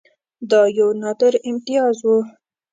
دا یو نادر امتیاز وو.